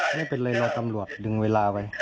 ไม่เป็นไรรอตำรวจดึงเวลาไว้